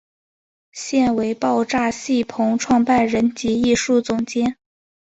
现为爆炸戏棚创办人及艺术总监。